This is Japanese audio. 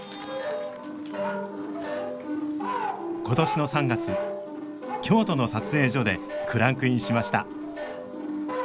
今年の３月京都の撮影所でクランクインしました